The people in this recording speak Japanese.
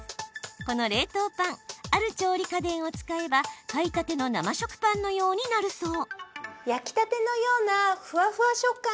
この冷凍パンある調理家電を使えば買いたての生食パンのようになるそう。